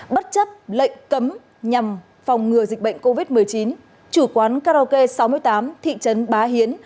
bất chấp lệnh cấm nhằm phòng ngừa dịch bệnh covid một mươi chín chủ quán karaoke sáu mươi tám thị trấn bá hiến